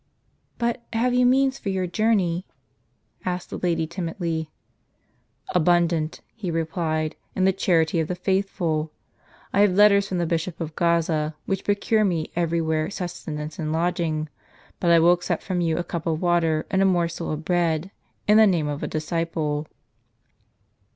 "But have you means for your journey?" asked the lady, timidly. "Abundant," he replied, "in the charity of the faithful. I have letters from the Bishop of Gaza, which procure me every wiiere sustenance and lodging ; but I will accept from you a cup of water and a morsel of bread, in the name of a disciple."